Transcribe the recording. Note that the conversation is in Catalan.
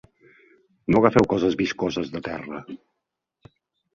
No agafeu coses viscoses de terra.